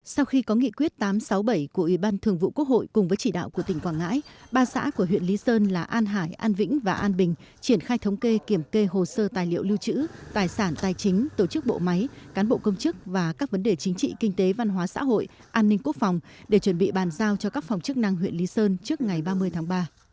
sau khi có nghị quyết tám trăm sáu mươi bảy của ủy ban thường vụ quốc hội cùng với chỉ đạo của tỉnh quảng ngãi ba xã của huyện lý sơn là an hải an vĩnh và an bình triển khai thống kê kiểm kê hồ sơ tài liệu lưu trữ tài sản tài chính tổ chức bộ máy cán bộ công chức và các vấn đề chính trị kinh tế văn hóa xã hội an ninh quốc phòng để chuẩn bị bàn giao cho các phòng chức năng huyện lý sơn trước ngày ba mươi tháng ba